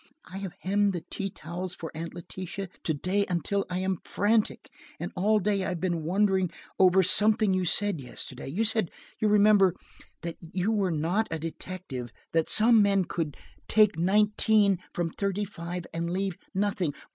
I have hemmed tea towels for Aunt Letitia to day until I am frantic, and all day I have been wondering over something you said yesterday. You said, you remember, that you were not a detective, that some men could take nineteen from thirty five and leave nothing.